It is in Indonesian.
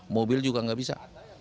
mobil juga tidak bisa